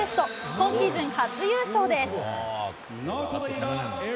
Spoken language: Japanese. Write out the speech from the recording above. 今シーズン初優勝です。